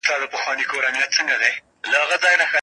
د پانګي د راکد کيدو ستونزې له پخوا دوام موندلی و.